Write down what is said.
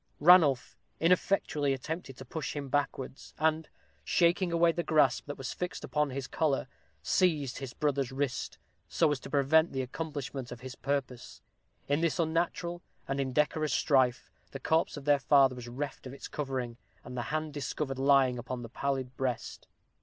Ranulph ineffectually attempted to push him backwards; and, shaking away the grasp that was fixed upon his collar, seized his brother's wrist, so as to prevent the accomplishment of his purpose. In this unnatural and indecorous strife the corpse of their father was reft of its covering and the hand discovered lying upon the pallid breast.